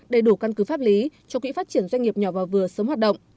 đầy đủ căn cứ pháp lý cho quỹ phát triển doanh nghiệp nhỏ và vừa sớm hoạt động